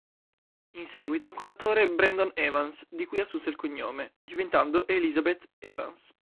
In seguito, con l'attore Brandon Evans di cui assunse il cognome, diventando Elisabeth Evans.